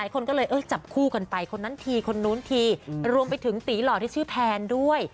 คนก็เลยจับคู่กันไปคนนั้นทีคนนู้นทีรวมไปถึงตีหล่อที่ชื่อแพนด้วย